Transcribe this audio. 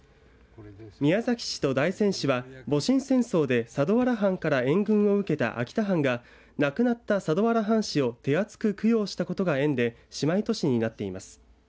宮崎市と大仙市は戊辰戦争で佐土原藩から援軍を受けた秋田藩が亡くなった佐土原藩士を手厚く供養したことが縁で姉妹都市になっています。